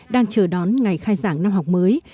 đang chờ đón ngày khai giảng năm học mới